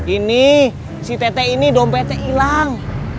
ini si tete ini dompetnya hilang